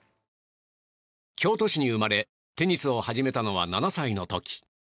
京都市に生まれテニスを始めたのは７歳の時。